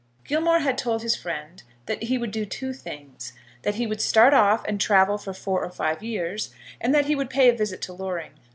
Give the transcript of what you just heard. Gilmore had told his friend that he would do two things, that he would start off and travel for four or five years, and that he would pay a visit to Loring.